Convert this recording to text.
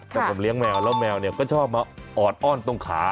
แต่ผมเลี้ยงแมวแล้วแมวเนี่ยก็ชอบมาออดอ้อนตรงขา